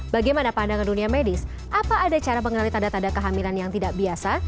bagaimana pandangan dunia medis apa ada cara mengenali tanda tanda kehamilan yang tidak biasa